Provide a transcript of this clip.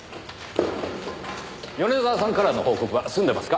米沢さんからの報告は済んでますか？